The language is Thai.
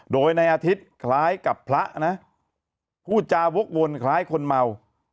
โดยในอาทิตย์คล้ายกับพระนะพูดจาวกวนคล้ายคนเมา